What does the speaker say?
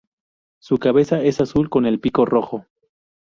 Su cabeza es azul, con el pico rojo.